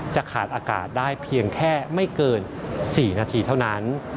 จะขาดอากาศได้เพียงแค่ไม่เกิน๔นาทีเท่านั้น